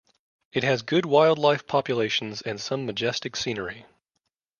It has good wildlife populations and some majestic scenery.